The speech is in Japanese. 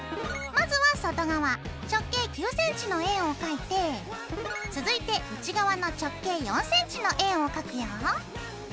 まずは外側直径９ｃｍの円を描いて続いて内側の直径４ｃｍの円を描くよ。